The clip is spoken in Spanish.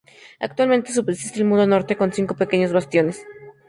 Actualmente, subsiste el muro norte, con cinco pequeños bastiones.